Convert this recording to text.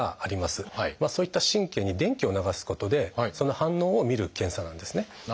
そういった神経に電気を流すことでその反応を見る検査なんですね。